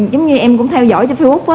giống như em cũng theo dõi trên facebook